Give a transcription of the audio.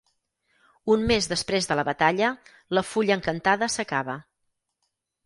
Un mes després de la batalla, la fulla encantada s'acaba.